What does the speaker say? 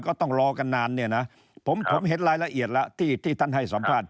ก็ต้องรอกันนานเนี่ยนะผมเห็นรายละเอียดแล้วที่ท่านให้สัมภาษณ์